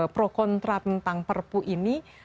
pro kontra tentang perpu ini